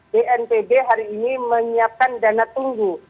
bnpb hari ini menyiapkan dana tunggu